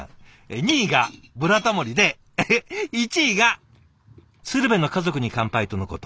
２位が「ブラタモリ」でえへっ１位が「鶴瓶の家族に乾杯」とのこと。